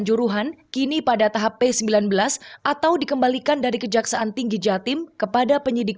juruhan kini pada tahap p sembilan belas atau dikembalikan dari kejaksaan tinggi jatim kepada penyidik